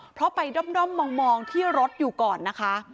เพราะไปด้อมมองที่รถอยู่ก่อนนะคะ